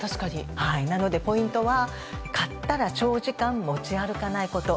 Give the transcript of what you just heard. なので、ポイントは買ったら長時間持ち歩かないこと。